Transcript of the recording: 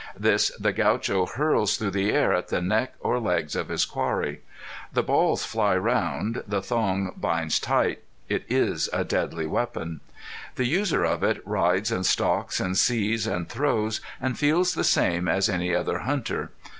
This the Gaucho hurls through the air at the neck or legs of his quarry. The balls fly round the thong binds tight it is a deadly weapon. The user of it rides and stalks and sees and throws and feels the same as any other hunter.